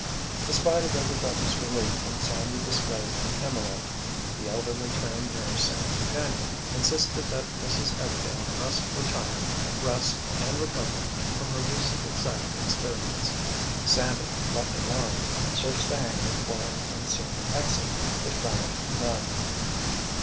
In spite of everybody's relief when Sandy displayed the emerald, the elderly trained nurse and companion insisted that Mrs. Everdail must retire, rest and recover from her recent exciting experience. Sandy, left alone, searched the hangar for an unseen exit, but found none.